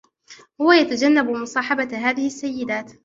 هو يتجنب مصاحبة هذه السيدات.